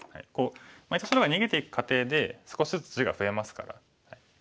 一応白が逃げていく過程で少しずつ地が増えますから。